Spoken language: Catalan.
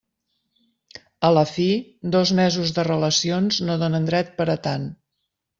A la fi, dos mesos de relacions no donen dret per a tant.